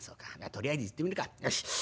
とりあえず行ってみるかよし。